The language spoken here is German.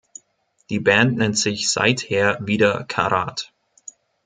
Die Band nennt sich seither wieder „Karat“.